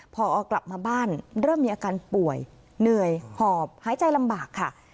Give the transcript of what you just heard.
พอกลับมาบ้านเริ่มมีอาการป่วยเหนื่อยหอบหายใจลำบากค่ะ